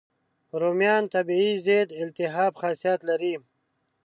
رومیان طبیعي ضد التهاب خاصیت لري.